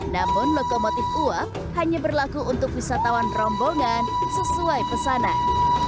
namun lokomotif uap hanya berlaku untuk wisatawan rombongan sesuai pesanan